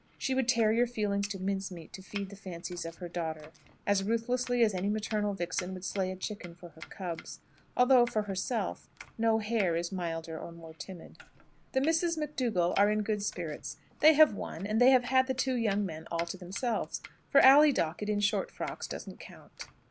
She would tear your feelings to mince meat to feed the fancies of her daughter, as ruthlessly as any maternal vixen would slay a chicken for her cubs; although, for herself, no hare is milder or more timid. The Misses McDougall are in good spirits. They have won, and they have had the two young men all to themselves, for Ally Dockett in short frocks doesn't count.